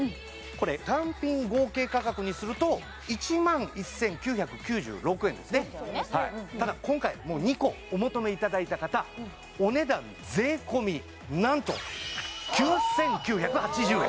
これ単品合計価格にすると１万１９９６円ですねただ今回もう２個お求めいただいた方お値段税込なんと９９８０円！